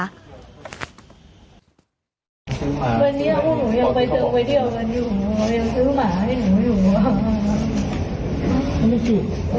ตอนนี้เขาบอกว่าเขานอกใจหนู